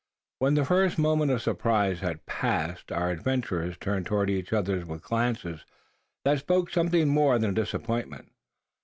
When the first moment of surprise had passed, our adventurers turned towards each other with glances that spoke something more than disappointment.